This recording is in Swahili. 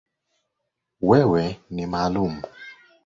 Wewe ni maalumu.